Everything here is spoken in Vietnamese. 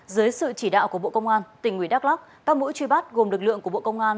dưới sự chỉ đạo của bộ công an tỉnh nguy đắk lắc các mũi truy bắt gồm lực lượng của bộ công an